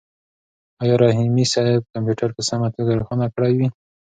آیا رحیمي صیب کمپیوټر په سمه توګه روښانه کړی دی؟